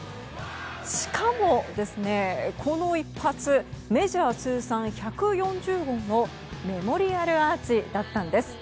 しかも、この一発メジャー通算１４０号のメモリアルアーチだったんです。